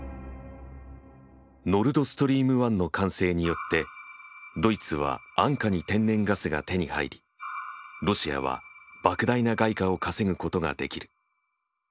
ノルドストリーム１の完成によってドイツは安価に天然ガスが手に入りロシアは莫大な外貨を稼ぐことができる。